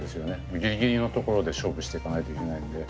ギリギリのところで勝負していかないといけないんで。